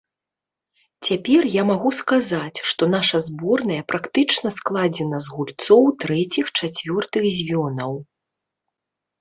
Цяпер я магу сказаць, што наша зборная практычна складзена з гульцоў трэціх-чацвёртых звёнаў.